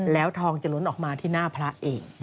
แล้วทองจะล้นออกมาที่หน้าพระเอง